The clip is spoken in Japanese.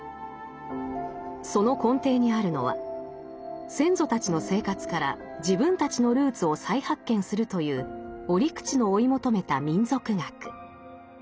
その根底にあるのは先祖たちの生活から自分たちのルーツを再発見するという折口の追い求めた民俗学。